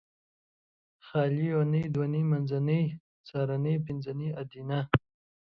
خالي یونۍ دونۍ منځنۍ څارنۍ پنځنۍ ادینه